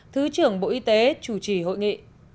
thứ trưởng bộ y tế chủ trì hội nghị